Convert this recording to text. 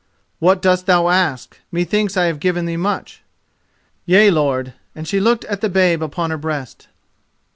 "What dost thou ask? Methinks I have given thee much." "Yea, lord," and she looked at the babe upon her breast.